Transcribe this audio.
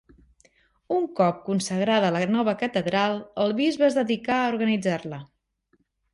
Un cop consagrada la nova catedral, el bisbe es dedicà a organitzar-la.